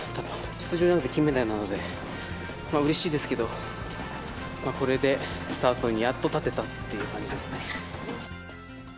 出場じゃなくて金メダルなので、うれしいですけど、まあこれでスタートにやっと立てたっていう感じですね。